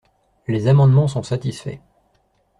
Les amendements sont satisfaits.